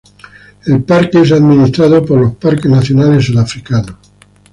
El parque es administrado por los Parques Nacionales Sudafricanos.